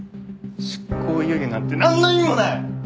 執行猶予なんてなんの意味もない！